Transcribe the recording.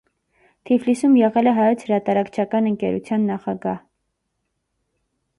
Թիֆլիսում եղել է հայոց հրատարակչական ընկերության նախագահ։